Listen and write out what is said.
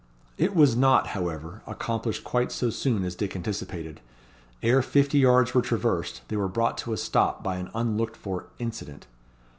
It was not, however, accomplished quite so soon as Dick anticipated. Ere fifty yards were traversed, they were brought to a stop by an unlooked for incident.